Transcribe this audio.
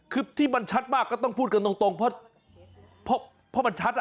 คือที่มันชัดมากก็ต้องพูดกันตรงเพราะมันชัดอ่ะ